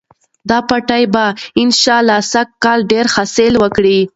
دا پټی به انشاالله سږکال ډېر ښه حاصل ورکړي.